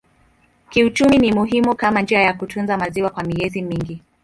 Kiuchumi ni muhimu kama njia ya kutunza maziwa kwa miezi mingi.